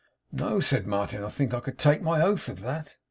'No,' said Martin. 'I think I could take my oath of that.